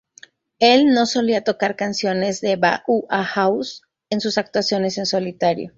Él no solía tocar canciones de Bauhaus en sus actuaciones en solitario.